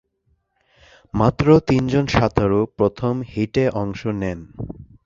মাত্র তিনজন সাঁতারু প্রথম হিটে অংশ নেন।